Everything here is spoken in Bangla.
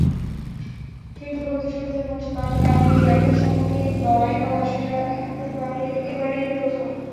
কিন্তু প্রতিযোগিতার মঞ্চে কাঁধে কাঁধ মিলিয়ে একসঙ্গে লড়াই করা—সেটা এবারেই প্রথম।